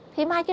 thế mai kia là